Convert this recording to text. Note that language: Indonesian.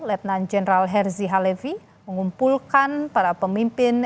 lieutenant general herzi halevi mengumpulkan para pemimpin